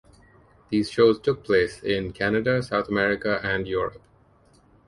These shows took place in Canada, South America and Europe.